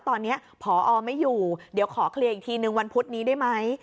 ตอนนี้พอไม่อยู่เดี๋ยวขอเคลียร์อีกทีนึงวันพุธนี้ได้ไหม